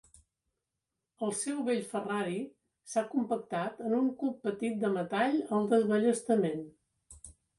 El seu vell Ferrari s'ha compactat en un cub petit de metall al desballestament.